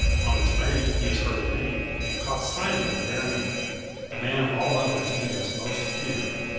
On its bank he has heard a name, and caught sight of him bearing it the man of all others he has most fear.